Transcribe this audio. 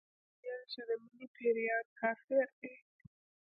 هغې ويل چې د مينې پيريان کافر دي